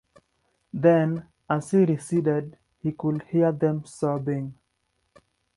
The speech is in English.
Then, as he receded, he could hear them sobbing.